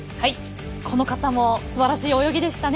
この方もすばらしい泳ぎでしたね。